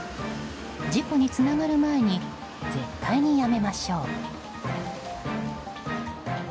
事故につながる前に絶対にやめましょう。